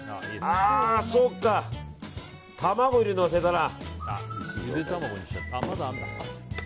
あーそうか、卵入れるの忘れたな。